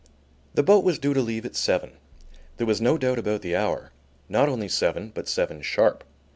The boat was due to leave at seven. There was no doubt about the hour, not only seven, but seven sharp.